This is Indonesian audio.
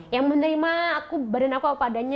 yang menerima aku badan aku apa adanya